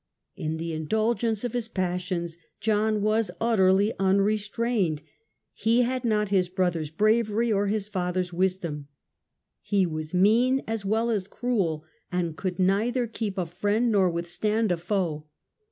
In the indulgence of his His passions John was utterly unrestrained. He character, had not his brother's bravery or his father's wisdom. He was mean as well as cruel, and could neither keep a friend nor withstand a foe.